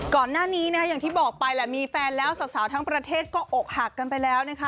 ก่อนหน้านี้นะคะอย่างที่บอกไปแหละมีแฟนแล้วสาวทั้งประเทศก็อกหักกันไปแล้วนะคะ